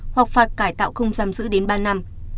hoặc phạt cải tạo không giam giữ đến ba năm